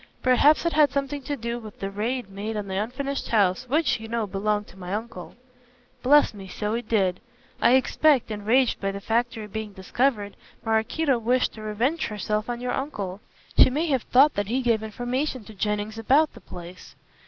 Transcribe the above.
"Perhaps it had something to do with the raid made on the unfinished house which, you know, belonged to my uncle." "Bless me, so it did. I expect, enraged by the factory being discovered, Maraquito wished to revenge herself on your uncle. She may have thought that he gave information to Jennings about the place."